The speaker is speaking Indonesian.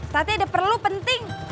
tati ada perlu penting